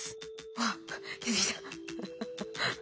わっ出てきた。